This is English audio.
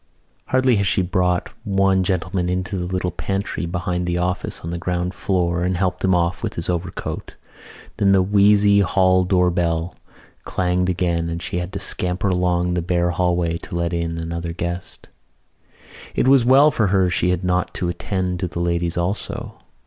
Hardly had she brought one gentleman into the little pantry behind the office on the ground floor and helped him off with his overcoat than the wheezy hall door bell clanged again and she had to scamper along the bare hallway to let in another guest. It was well for her she had not to attend to the ladies also.